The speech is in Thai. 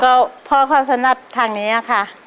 ก็เพราะความถนัดทางนี้อะค่ะ